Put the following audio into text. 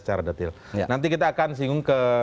secara detail nanti kita akan singgung ke